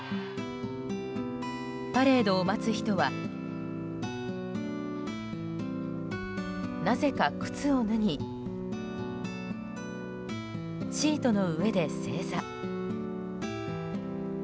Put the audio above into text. パレードを待つ人はなぜか靴を脱ぎシートの上で正座。